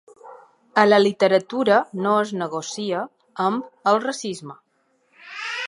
A la literatura no es negocia amb el racisme.